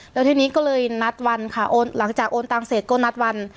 แล้วทีนี้ก็เลยนัดวันค่ะหลังจากโอนตังเสร็จก็นัดวัน